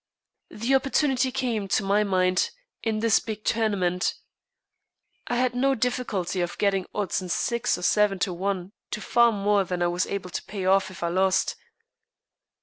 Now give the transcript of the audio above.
"The opportunity came, to my mind, in this big tournament. I had no difficulty of getting odds in six or seven to one to far more than I was able to pay if I lost.